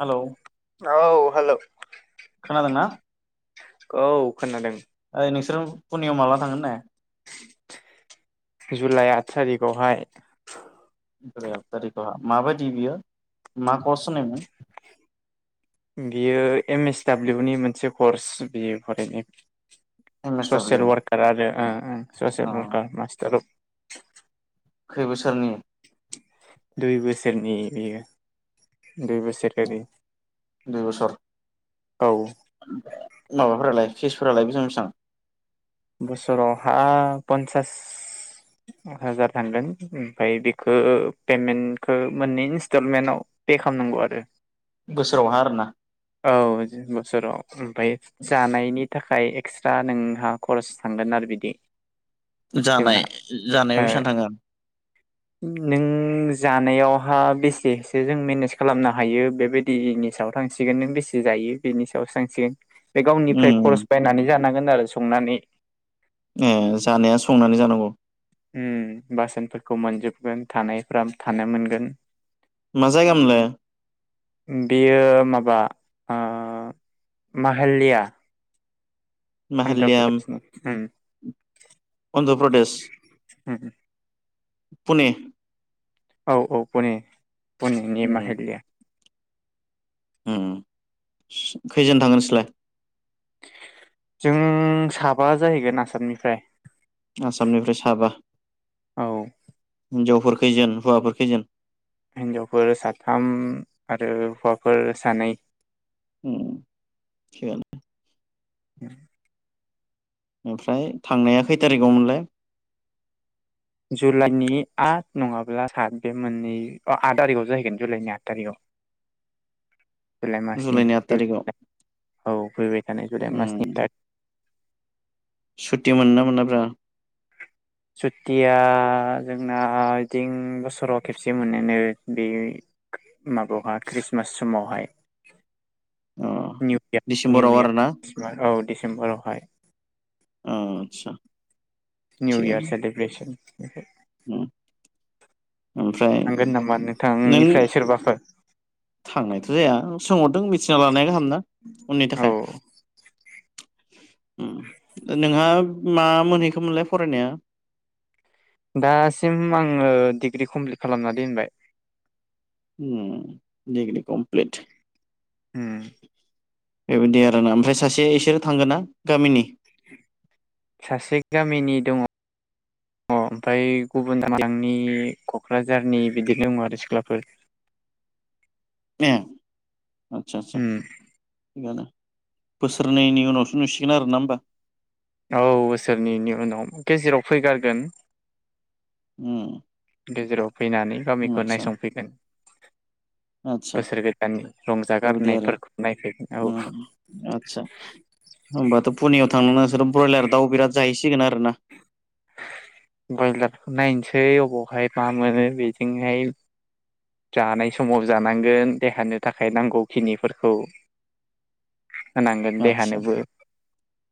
Hello औ hello खोनादोंना औ खोनादों। यै नोंसोरो पुनेयाव माब्ला थांगोन होननाय? जुलाइ आट थारिखावहाय। जुलाय आट थारिखाव। माबायदि बियो मा कर्स होनायमोन? बियो एम एस दाब्लिउनि मोनसे कर्स बियो फरायनाय। M S W social worker आरो ओं ओं अ ससियेल वारकार मास्टार खै बोसोरनि? दुइ बोसोरनि बेयो। दुइ बोसोर औ माबाफोरालाय केसफोरालाय बेसां बेसां? बोसोरावहा पन्सास हाजार थांगोन ओमफाय बेखो पेमेन्टखो मोननै इन्स्टलमेन्टाव पे खालामनांगौ आरो। बोसोरावहा आरोना औ बोसोराव ओमफाय जानायनि थाखाय एक्सरा नोंहा खरस थांगोन आरो बिदि। जानाय जोंहा जानायाव ओ बेसां थांङो? नों जानायावहा बेसेसो जों मेनेज खालामनो हायो बेबायदिनि सायाव थांसिगोन नों बेसे जायो बेनि सायावसो थांसिगोन। बे गावनिफ्राय उम खरस बायनानै जा थांगोन आरो संनानै ए जानाया संनानै जानांगौ। उम बासोनफोरखौ मोनजोबगोन थानायफ्रा थानो मोनगोन। मा जायगामोनलाय बेयो माबा ओ माहाल्लिया। माहाल्लिया उम अन्ध्र प्रदेश। उम पुने औ-औ पुने। पुने उम नेमाहालिया। उम खैजोन थांगोन नोंसोरलाय? जों साबा जाहैगोन आसामनिफ्राय। आसामनिफ्राय साबा। औ हिन्जावफोर खैजोन हौवाफोर खै जोंन? हिन्जावफोरा साथाम आरो हौवाफोर सानै उम थिगानो [unintelligible] ओमफ्राय थांनाया खै थारिगावमोनलाय? जुलाइनि आद नङाब्ला सात बे मोननै ओ आद थारिगाव जाहैगोन जुलाइनि आद थारिगआव जुलाइ मासनि जुलाइनि आट फै थारिखआव थानाय औ फैबाय थानाय जुलाइ मासनि उम था सुटि मोन ना मोनाब्रा सुतिया जोंना इथिं बोसोराव खेबसे मोनो नो बेयो माबायावहा ख्रिस्टमास समावहाय अ निउ इयार डिसेम्बराव आरोना निउयार औ डिसेम्बराव हाय अ आदसा निउ इयार सेलिब्रेसन [inaudible] ओम थांगोन नामा नोंथांनिफ्राय सोरबाफोर थांनायथ जाया सोंहरदों मिथिना लानाया गाहामना उननि औ थाखाय उम नोंहा मा मोनहैखोमोनलाय फरायनाया? दा सिम आङो डिग्रि कमप्लिट खालामना दोनबाय उम दिग्रि कमप्लिट ओम बेबायदि आरोना ओमफ्राय सासे इसोरो थांगोन ना गामिनि। सासे गामिनि दङ ओमफ्राय गुबुन दालांनि कक्राझारनि बिदि दङ आरो सिख्लाफोर। [unintelligible] आदसा आचसा उम थिगानो। बोसोरनैनि उनावसो नुसिगोन आरोना होमबा। औ बोसोरनैनि उनाव गेजेराव फैगारगोन। उम गेजेराव फैनानै गामिखौ आदसा नायसंफैगोन। आदसा बोसोर गोदाननि बेबायदि आरो रंजागारनायफोरखौ नायफैगोन औ उम आदसा होनोमबाथ पुनियाव थांनानै नोंसोर ब्रयलार दाउ बिराद जाहैसै। थिगोन आरो ना ब्रयलारखौ नायनोसै अबावहाय मा मोनो बेजोंहाय जानाय समाव जानांगोन देहानो थाखाय नांगौ खिनिफोरखौ। होनांगोन आदसा देहानोबो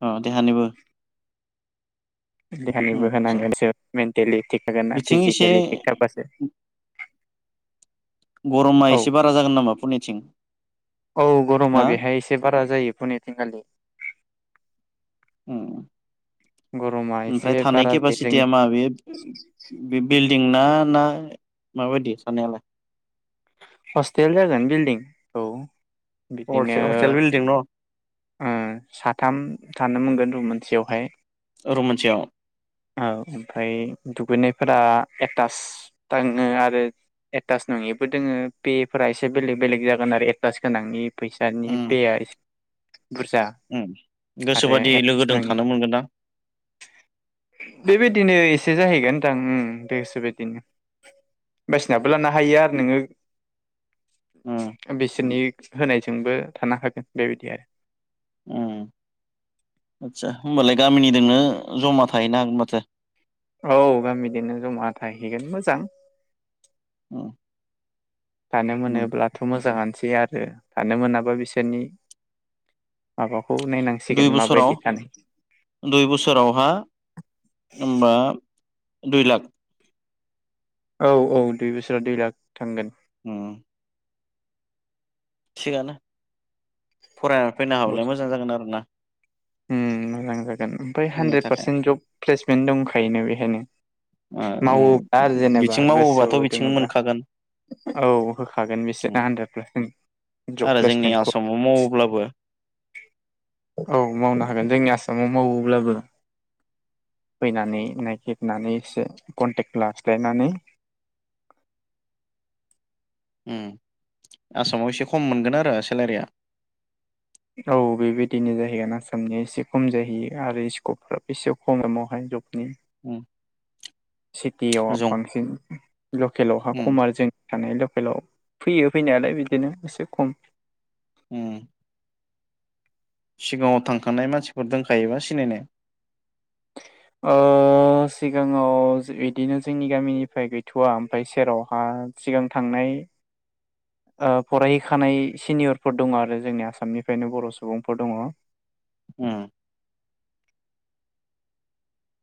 अ देहानिबो देहानोबो आदसा होनांगोनसो मेन्टेलि थिग थागोन ना बिथिं एसे फिजिकेलि थिग थाबासो। गरमा औ एसे बारा जागोन नामा। पुनिथिं औ गरमा बेहाय एसे बारा जायो फुनिथिंखालि। उम गरमा ओमफ्राय एसे थानाय बारा जायो जोंनि केपासिटिया माबे बेलड फदिंना ना माबायदि साननायालाय हस्टेल जागोन बिल्डिं औ बिदिनो हरसे हस्टेल बिल्डिं न' ओं साथाम थानो मोनगोन रुममोन सेवहाय रूम मोनसेआव औ ओमफ्राय दुगैनायफोरा एटास दोङो आरो एटास नङिबो दोङो बिलफोरा एसे बेलेग बेलेग जागोन आरो एटास गोनांनि फैसानि उम पेआ एसे बुरजा उम आरो गोसोबादि एटास लोगोजों नङि थानो मोनगोन ना। बेबायदिनो एसे जाहैगोनदां गोसो बादिनो। बासिनाबो लानो हायो आरो नोङो। उम [inaudible] बेसोरनि होनायजोंबो थानो हागोन बेबायदि आरो उम आदसा होमबालाय गामिनिजोंनो जमा थाहैनो हागोन माथो। औ गामिजोंनो जमा थाहैगोन मोजां। उम थानो उम मोनोब्लाथ मोजाङानोसै आरो ओ थानो मोनाबा बिसोरनि माबाखौ दुइ नायनांसिगोन बोसोराव माबायदि थानाय दुइ बोसोरावहा होनबा दुइ लाख औ औ दुइ बोसोरा दुइ लाख थांगोन अ थिगानो फरायना फैनो हाबालाय मोजां जागोन आरोना ओम मोजां जागोन ओमफ्राय उननि हानद्रेद थाखाय पारसेन्ट जब प्लेसमेन्ट दंखायोना बेहायनो। ओ मावोब्ला आरो उम जेनेबा बिथिं गोसो मावोबाथ' बिथिं दोङोब्ला मोनखागोन औ होखागोन उम बिसोरना हानद्रेद पारसेन्ट जब आरो जोंनि प्लेसमेन्टखौ आसामाव मावोब्लाबो औ मावनो हागोन जोंनि आसामाव मावोब्लाबो फैनानै नागिरनानै एसे कन्टेक्ट लाखिलायनानै ओम आसामाव एसे खम मोनगोन आरो सेलारिया औ बेबायदिनो जाहैगोन आसामनि एसे खम जाहैयो आरो स्कपफ्राबो एसे खम एमावहाय जबनि औ सिटियाव बांसिन लकेलावहा उम खम आरो जों थानाय लकेलाव फैयो फैनायालाय बिदिनो एसे खम उ सिगाङाव थांखानाय मानसिफोर दोनखायोबा सिनायनाय? ओ सिगाङाव बिदिनो जोंनि गामिनिफ्राय गैथवा ओमफ्राय सेरावहा सिगां थांनाय फरायहैखानाय सिनियरफोर दङ आरो जोंनि आसामनिफ्रायनो बर सुबुंफोर दङ। उ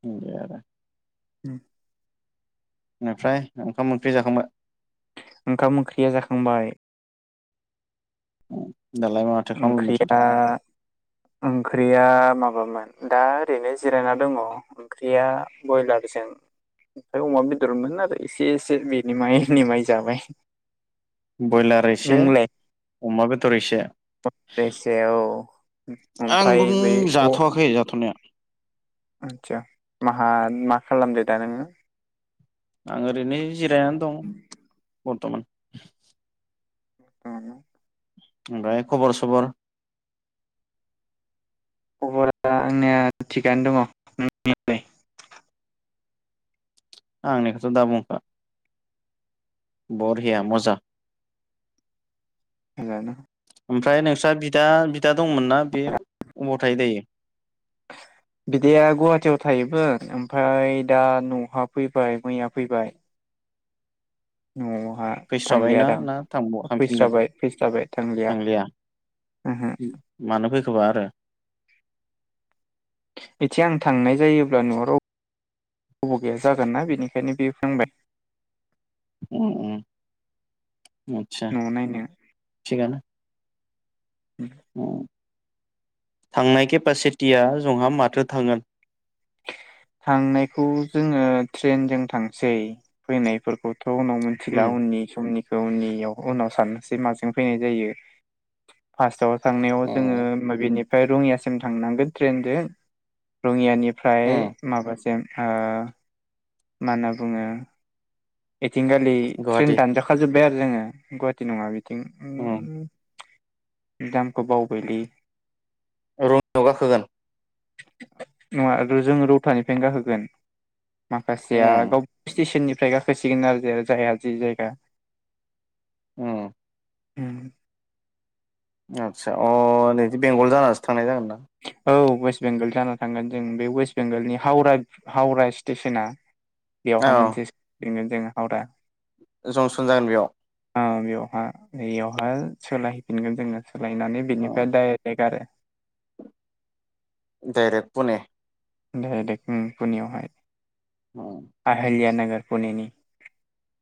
[unintelligible] आरो उ बेनिफ्राय ओंखाम ओंख्रि जाखांबाय? ओंखाम ओंख्रिया जाखांबाय उ ओंख्रिया ओंख्रिया माबामोन दा ओरैनो जिरायना दङ ओंख्रिया बयलारजों ओमफ्राय अमा बेदरमोन आरो एसे एसे बेनि [unintelligible] जाबाय बयलार इसे अमा बेदर एसे हरदों एसे औ आं बुं ओमफ्राय बे जाथ'वाखै जाथ'नाया आदसा मा खालामदो दा नोङो आं ओरैनो जिरायनानै दं बरथमान [inaudible] ओमफ्राय खबर सबर खबरा आंनिया थिगानो दङ नोंनियालाय आंनि खौथ दा बुंखा बरिया मजा [inaudible] [unintelligible] ओमफ्राय नोंस्रा बिदा बिदा दंमोनना बे अबाव थायो दायो बिदाया गुवाहाटियाव थायोमोन ओमफ्राय दा नहाव फैबाय मैया फैबाय [unintelligible] फैसा थांलिया बायना दां ना थांब थांफिनगोन फैस्राबाय फैस्राबाय थांलिया ओहो मानो फैखोबा आरो थि आं थांनाय जायोबा न'आव राव ब' गैया जागोन ना बेनिखायनो बे फोंबाय उम उम आत्सा न'आव नायनो थिगानो औ थांनाय केपासिटिया जंहा माथो थांगोन थांनायखौ जोङो ट्रेनजों थांसै फैनायफोरखौ थ' उनाव मिनथिला उम उननि समनि [unintelligible] उनाव साननोसै माजों फैनाय जायो फार्स्टआव थांनायाव जोङो उम मा बेेनिफ्राय रङियासिम थांनांगोन ट्रेनजों रङियानिफ्राय उम माबासिम ओ मा होनना बुङो थिंगालि ट्रेन गुवाहाटि दानजाखाजोब्बाय आरो जोङो गुवाट थि नङा उम [unintelligible] दामखौ बावबायलै रङियाव गाखोगोन नङा ओ जोंङो रौथानिफ्रायनो गाखोगोन माखासेया उम गाव स्टेसननि फ्राय गाखो [unintelligible] जायहा जि जायगा ओम। ओम। आदसा अ नैदि बेंगल जानासो थांनांगोन। औ। वेस्ट बेंगल जाना थांगोन जों बे वेस्ट बेंगलनि हावरा हावरा स्टेसना बेवहा औ मोनसे बेयाव दोङो हावरा जंसन जागोन बेयाव। औ बेयावहा इयावहा सोलायहैफिनगोन जोङो। सोलायनानै बिनिफ्राय डाइरेक्ट आरो। डायरेक्ट पुने। डाइरेक्ट ओम पुनेआवहाय। औ। आहिलिया नोगोर पुनेनि।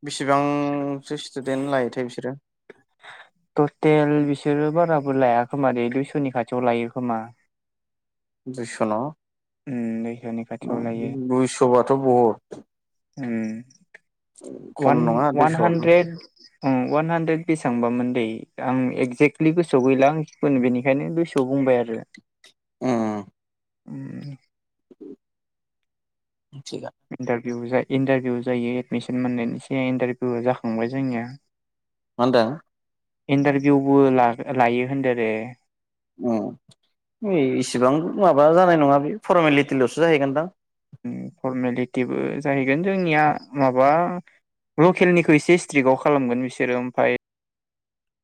बिसेबांसो स्टुदेन्ट लायोथाय बिसोरो। बो लाया खोमा दे दुइस'नि खाथियाव लायो खोमा। दुइस' न' उम दुइस'नि ओ खाथियाव लायो दुइस'बाथ' बहुत। उम। खम वान नङा वान दुइस'आबो हान्ड्रेड उम अवान हानद्रेद बेसेबांबामोन दैे आं एगजेक्टलि गोसोआव गैला आंनो बेनिखायनो गोसोआव बुंबाय आरो। बेे उम, उम। थिगा बेयावजाय इन्टारभिउ जायो एडमिसन मोननायनि सायाव इन्टारभिउ जाखांबाय जोंनिया। मा होनदों? इन्टारभिउबो ला लायो होनदो आरो। ओ इसिबां माबा जानाय नङा बे फरमेलिटिल'सो जाहैगोनदां। उम फरमेलिटिबो जाहैगोन जोंनिया माबा लकेलनिखौ एसे स्ट्रिकआव खालामगोन बिसोरो ओमफ्राय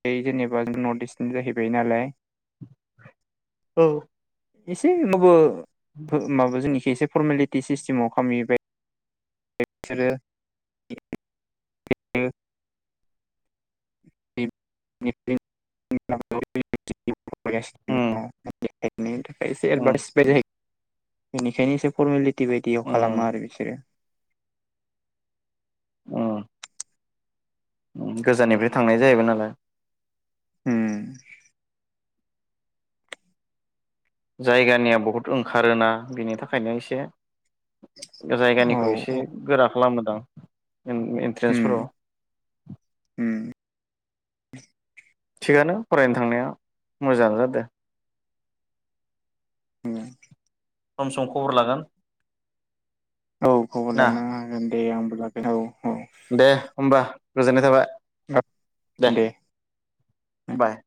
बे जेनेबा नर्थ इस्टनि जाहैबाय नालाय। औ। एसे [unintelligible] बो फोर माबो [unintelligible] एसे फरमेलिटि सिस्टेमाव खामहैबाय। [unintelligible] [unintelligible] [unintelligible] [unintelligible] उम एसे उम एथबाथेस [unintelligible] बेनिखायनो एसे फरमेलिटि बायदियाव खालामा उम आरो बिसोरो अ गोजाननिफ्राय थांनाय जाहैबाय नालाय। उम जायगानिया बहुत ओंखारोना बिनि थाखायनो एसे औ जायगानिखौ एसे औ गोरा खालामो दां। उम उम [inaudible] थिगानो फरायनो थांनाया मोजांङानो जादो। उम सम सम खबर लागोन। औ खबर ना लानो हागोन। दे आंबो लागोन औ औ दे होमबा गोजोननाय थाबाय। [inaudible] दे बाय